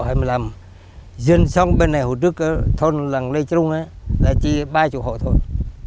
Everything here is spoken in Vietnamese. di chuyển sang bên này hồi trước là thôn làng lê trung là chỉ ba mươi hộ thôi